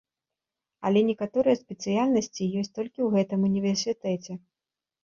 Але некаторыя спецыяльнасці ёсць толькі ў гэтым універсітэце.